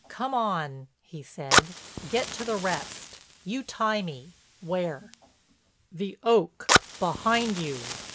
"Come on," he said, "get to the rest. You tie me—where?" "The oak—behind you."